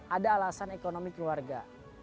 ada alasan ekonomi keluarga